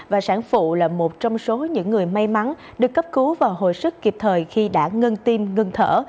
và sản phụ là một trong số những người may mắn được cấp cứu và hồi sức kịp thời khi đã ngân tim ngưng thở